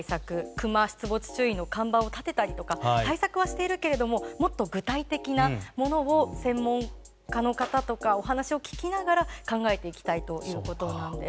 クマ出没注意の看板を立てたり対策はしているけれどももっと具体的なものを専門家の方とかお話を聞きながら考えていきたいということです。